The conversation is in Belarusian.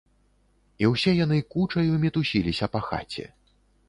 І ўсе яны кучаю мітусіліся па хаце.